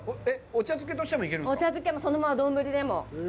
お茶漬けでも、そのまま丼でも。